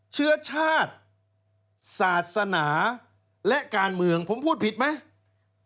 เชื้อชาติศาสนาและการเมืองผมพูดผิดไหม